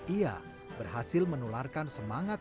ia berhasil menularkan semangat